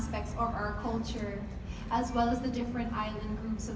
ผมสามารถทำให้ดี